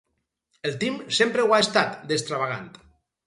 El Tim sempre ho ha estat, d'extravagant.